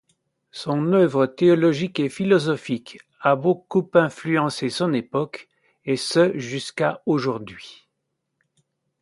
Son œuvre théologique et philosophique a beaucoup influencé son époque, et ce jusqu'à aujourd'hui.